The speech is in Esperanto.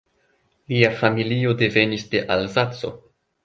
Lia familio devenis de Alzaco.